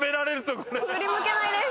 振り向けないです。